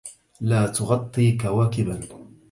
لاتغطّي كواكباً